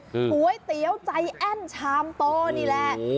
ก๋วยเตี๋ยวใจแอ้นชามโตนี่แหละ